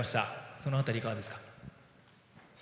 その辺りいかがですか。